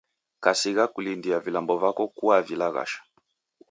Kasigha kulindia vilambo vako kuavilaghasha.